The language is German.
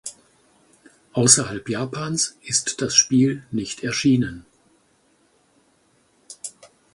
Außerhalb Japans ist das Spiel nicht erschienen.